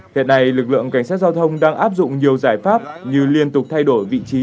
hiện nay lực lượng cảnh sát giao thông đang áp dụng nhiều giải pháp như liên tục thay đổi vị trí